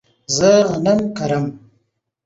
زه غنم کرم